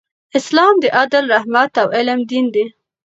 اسلام د عدل، رحمت او علم دین دی.